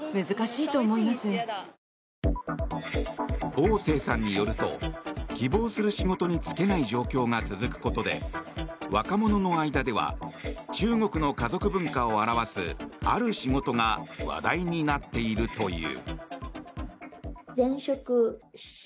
オウ・セイさんによると希望する仕事に就けない状況が続くことで若者の間では中国の家族文化を表すある仕事が話題になっているという。